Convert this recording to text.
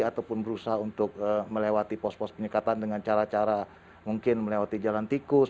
ataupun berusaha untuk melewati pos pos penyekatan dengan cara cara mungkin melewati jalan tikus